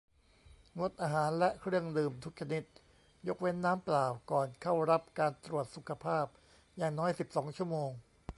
งดอาหารและเครื่องดื่มทุกชนิด ยกเว้นน้ำเปล่า ก่อนเข้ารับการตรวจสุขภาพอย่างน้อย สิบสอง ชั่วโมง